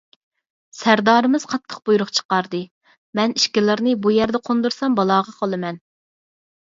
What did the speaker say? سەردارىمىز قاتتىق بۇيرۇق چىقاردى، مەن ئىككىلىرىنى بۇ يەردە قوندۇرسام بالاغا قالىمەن.